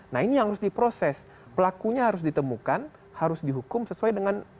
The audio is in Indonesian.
nah ini yang harus diproses pelakunya harus ditemukan harus dihukum sesuai dengan